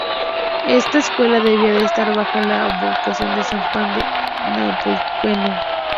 Esta escuela debía de estar bajo la advocación de San Juan de Nepomuceno.